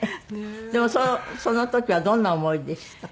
でもその時はどんな思いでしたか？